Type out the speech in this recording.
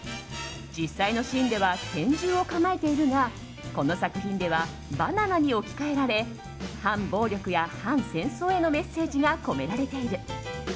実際のシーンでは拳銃を構えているのがこの作品ではバナナに置き換えられ反暴力や反戦争へのメッセージが込められている。